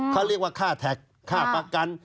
เขาเรียกว่าค่าแท็กค่าประกัน